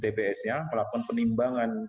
tbs nya melakukan penimbangan